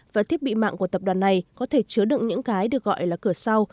và thiết bị mạng của tập đoàn này có thể chứa đựng những cái được gọi là cửa sau